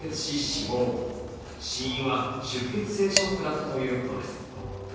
死因は、出血性ショックだったということです。